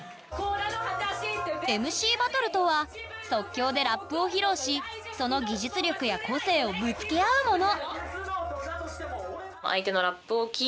ＭＣバトルとは即興でラップを披露しその技術力や個性をぶつけ合うもの